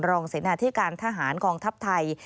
รองสินาทิการทหารกองทัพไทย